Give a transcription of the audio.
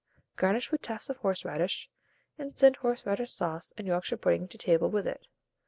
Garnish with tufts of horseradish, and send horseradish sauce and Yorkshire pudding to table with it.